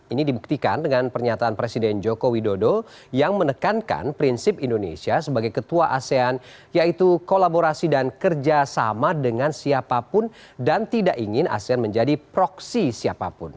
ini dibuktikan dengan pernyataan presiden joko widodo yang menekankan prinsip indonesia sebagai ketua asean yaitu kolaborasi dan kerjasama dengan siapapun dan tidak ingin asean menjadi proksi siapapun